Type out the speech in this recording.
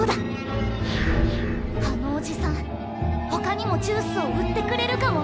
心の声あのおじさんほかにもジュースを売ってくれるかも！